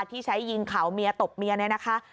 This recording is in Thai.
ที่ใช้ยิงเขาเมียตบเมียเนี่ยนะคะ